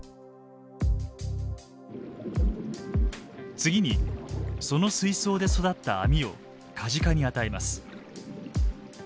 次にその水槽で育ったアミをカジカに与えます。